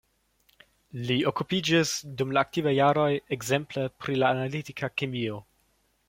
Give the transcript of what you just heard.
Li okupiĝis dum la aktivaj jaroj ekzemple pri la analitika kemio.